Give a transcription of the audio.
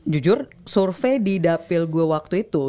jujur survei di dapil gue waktu itu